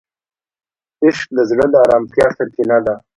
عشق د زړه د آرامتیا سرچینه ده.